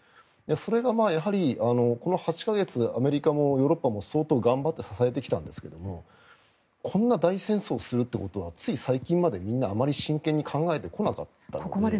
それがやはり、この８か月アメリカもヨーロッパも相当、頑張って支えてきたんですけどもこんな大戦争をするということはつい最近まであまりみんな考えてこなかったので。